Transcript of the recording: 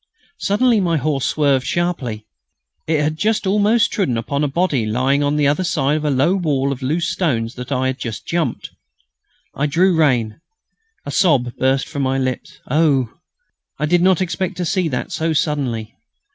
Suddenly my horse swerved sharply. He had just almost trodden upon a body lying on the other side of the low wall of loose stones that I had just jumped. I drew rein. A sob burst from my lips. Oh! I did not expect to see that so suddenly.